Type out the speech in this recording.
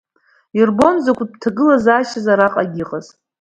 Ирбон закәытә ҭагылазаашьаз араҟагьы иҟаз.